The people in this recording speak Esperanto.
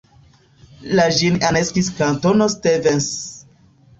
La ĝin aneksis Kantono Stevens.